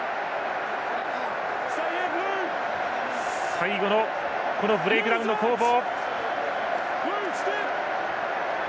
最後のブレイクダウンの攻防。